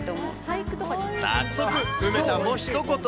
早速、梅ちゃんもひと言。